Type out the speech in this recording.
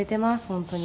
本当に。